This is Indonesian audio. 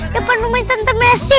depan rumah tante messi